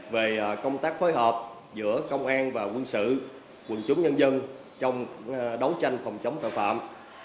về công tác phối hợp giữa công an và quân sự quân chúng nhân dân trong đấu tranh phòng chống tội phạm